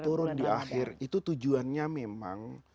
turun di akhir itu tujuannya memang